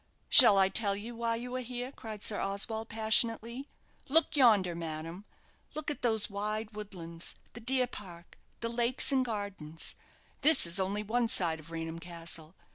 "Shall I tell you why you are here?" cried Sir Oswald, passionately, "Look yonder, madam! look at those wide woodlands, the deer park, the lakes and gardens; this is only one side of Raynham Castle.